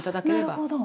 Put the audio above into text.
なるほど。